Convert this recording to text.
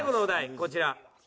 こちら。